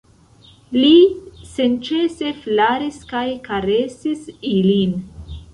Li senĉese flaris kaj karesis ilin.